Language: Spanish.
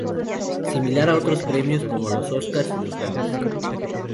Similar a otros premios, como los Óscars y los Grammys.